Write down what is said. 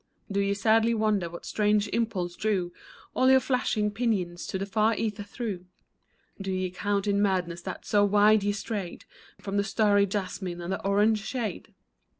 Do ye sadly wonder what strange impulse drew All your flashing pinions the far ether through ? Do ye count it madness that so wide ye strayed From the starry jasmine and the orange shade